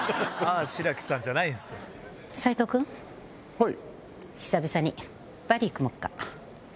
はい。